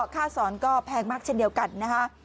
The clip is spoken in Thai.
ค่าสอนก็แพงมากเช่นเดียวกันนะคะ